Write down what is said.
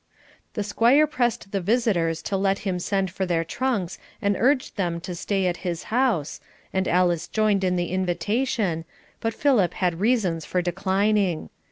The Squire pressed the visitors to let him send for their trunks and urged them to stay at his house, and Alice joined in the invitation, but Philip had reasons for declining.